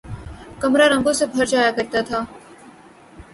کمرا رنگوں سے بھر جایا کرتا تھا